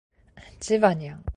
ジバニャン